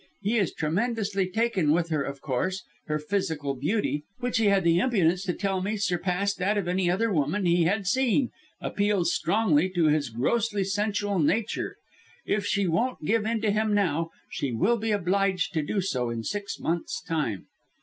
He is tremendously taken with her of course her physical beauty, which he had the impudence to tell me surpassed that of any other woman he had seen, appeals strongly to his grossly sensual nature. If she won't give in to him now, she will be obliged to do so in six months' time."